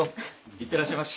行ってらっしゃいまし。